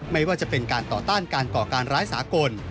ไม่ว่าจะเป็นการต่อต้านการก่อการร้ายสากล